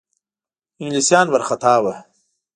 انګلیسیان وارخطا وه.